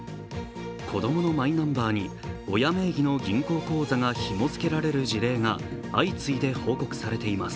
子供のマイナンバーに親名義の銀行口座が紐付けられる事例が相次いで報告されています。